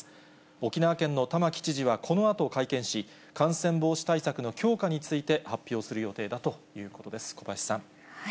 沖縄県の玉城知事はこのあと会見し、感染防止対策の強化について発表する予定だということです。